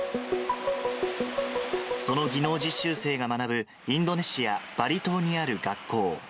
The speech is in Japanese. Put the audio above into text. その技能実習生が学ぶ、インドネシア・バリ島にある学校。